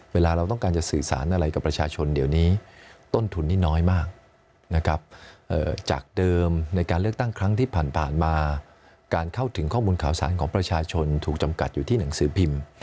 เวลาเราต้องการจะสื่อสารอะไรกับประชาชนเดี๋ยวนี้ต้นทุนนี่น้อยมากนะครับจากเดิมในการเลือกตั้งครั้งที่ผ่านมาการเข้าถึงข้อมูลข่าวสารของประชาชนถูกจำกัดอยู่ที่หนังสือพิมพ์